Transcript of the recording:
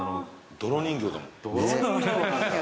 泥人形だもん。